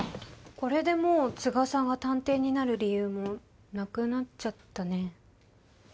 これでもう都賀さんが探偵になる理由もなくなっちゃったね。